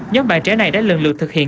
nhóm bạn trẻ này đã lần lượt thực hiện